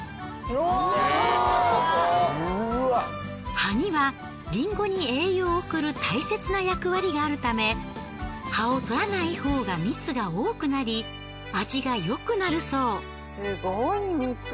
葉にはリンゴに栄養を送る大切な役割があるため葉を取らないほうが蜜が多くなり味がよくなるそう。